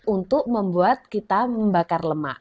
untuk membuat kita membakar lemak